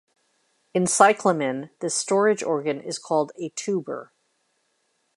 In cyclamen this storage organ is called a tuber.